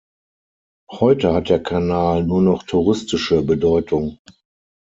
Heute hat der Kanal nur noch touristische Bedeutung.